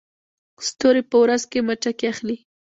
ستوري په ورځ کې مچکې اخلي